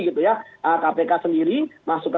gitu ya kpk sendiri masuk ke